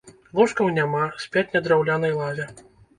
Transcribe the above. Ложкаў няма, спяць на драўлянай лаве.